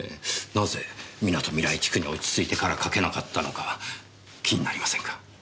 なぜみなとみらい地区に落ち着いてからかけなかったのか気になりませんか？